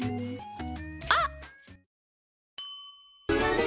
あっ！